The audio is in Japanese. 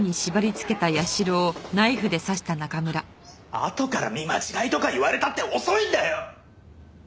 あとから見間違いとか言われたって遅いんだよ！